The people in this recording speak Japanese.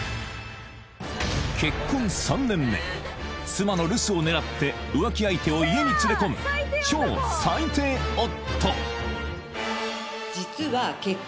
妻の留守を狙って浮気相手を家に連れ込む超最低夫